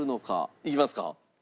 いきますか？